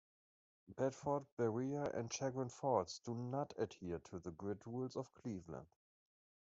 Bedford, Berea, and Chagrin Falls do not adhere to the grid rules of Cleveland.